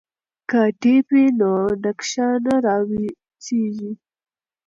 که ټیپ وي نو نقشه نه راویځیږي.